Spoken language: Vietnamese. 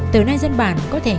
từ nay dân bản có thể